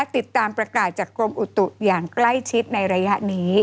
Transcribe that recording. ติดตามประกาศจากกรมอุตุอย่างใกล้ชิดในระยะนี้